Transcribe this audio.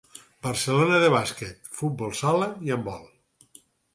Barcelona de bàsquet, futbol sala i handbol.